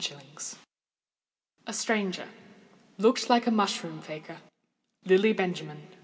_ A Stranger—looked like a mushroom faker. Lily benjamin.